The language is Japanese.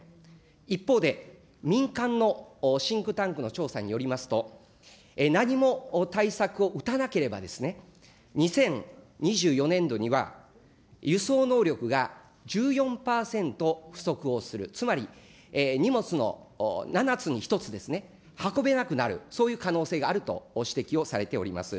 一方で、民間のシンクタンクの調査によりますと、何も対策を打たなければ、２０２４年度には、輸送能力が１４％不足をする、つまり荷物の７つに１つですね、運べなくなる、そういう可能性があると指摘をされております。